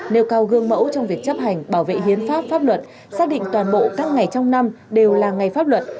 nêu cao gương mẫu trong việc chấp hành bảo vệ hiến pháp pháp luật xác định toàn bộ các ngày trong năm đều là ngày pháp luật